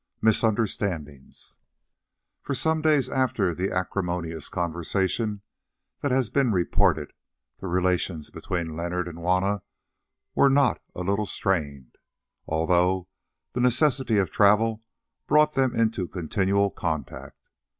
MISUNDERSTANDINGS For some days after the acrimonious conversation that has been reported, the relations between Leonard and Juanna were not a little strained, although the necessities of travel brought them into continual contact.